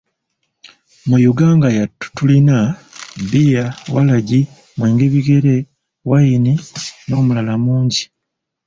Mu Yuganga yattu tulina; Beer, Walagi, mwenge bigere, Wine, N’omulala mungi.